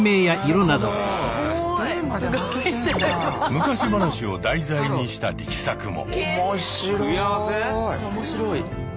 昔話を題材にした力作も。